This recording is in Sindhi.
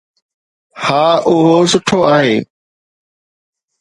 ها، اهو سٺو آهي